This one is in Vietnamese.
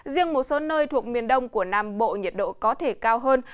riêng một số nơi thuộc miền đông của nam bộ nhiệt độ có thể cao hơn